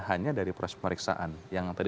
hanya dari proses pemeriksaan yang tadi